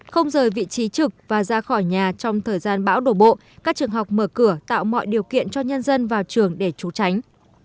không rời vị trí trực và ra khỏi nhà trong thời gian bão đổ bộ các trường học mở cửa tạo mọi điều kiện cho nhân dân vào trường để trú tránh